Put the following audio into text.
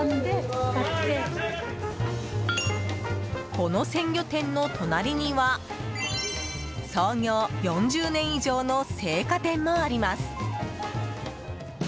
この鮮魚店の隣には創業４０年以上の青果店もあります。